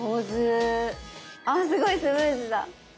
あすごいスムーズだ。